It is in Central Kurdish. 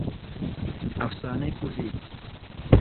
ئەفسانەی کوردی